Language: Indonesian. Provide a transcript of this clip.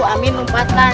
amin lompat lah